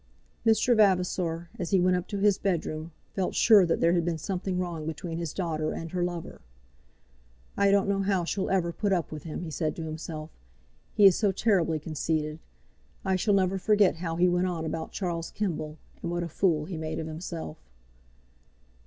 Mr. Vavasor, as he went up to his bedroom, felt sure that there had been something wrong between his daughter and her lover. "I don't know how she'll ever put up with him," he said to himself, "he is so terribly conceited. I shall never forget how he went on about Charles Kemble, and what a fool he made of himself."